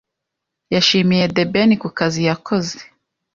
yashimiye The Ben ku kazi yakoze